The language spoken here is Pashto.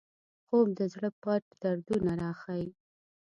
خوب د زړه پټ دردونه راښيي